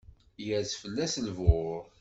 Yers fell-as lbur.